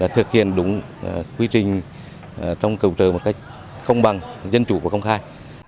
thực hiện đúng quy trình trong cứu trợ một cách công bằng dân chủ và công khai